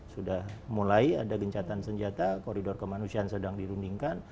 sudah mulai ada gencatan senjata koridor kemanusiaan sedang dirundingkan